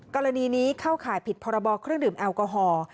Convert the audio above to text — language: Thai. กรณีนี้เข้าข่ายผิดพรบเครื่องดื่มแอลกอฮอล์